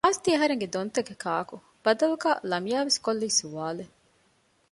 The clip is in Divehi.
މާޒްތީ އަހަރެންގެ ދޮންތަގެ ކާކު؟ ބަދަލުގައި ލަމްޔާވެސް ކޮށްލީ ސުވާލެއް